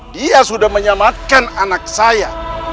dia sudah menyelamatkan anak saya